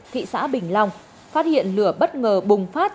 thị xã bình long phát hiện lửa bất ngờ bùng phát